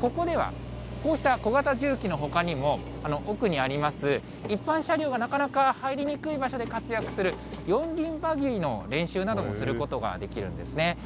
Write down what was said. ここでは、こうした小型重機のほかにも、奥にあります、一般車両がなかなか入りにくい場所で活躍する、四輪バギーの練習などもすることができるんですね。